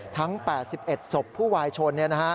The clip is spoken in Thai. ทั้ง๘๑ศพผู้วายชน